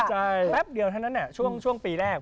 แป๊บเดียวเท่านั้นช่วงปีแรก